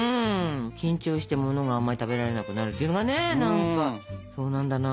緊張してものがあんまり食べられなくなるっていうのがね何かそうなんだなと思って。